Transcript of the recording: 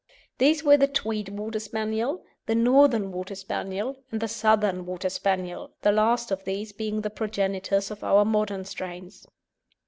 These were the Tweed Water Spaniel, the Northern Water Spaniel, and the Southern Water Spaniel, the last of these being the progenitors of our modern strains.